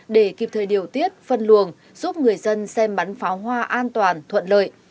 để kịp thời điều tiết phân luồng giúp người dân xem bắn pháo hoa an toàn thuận lợi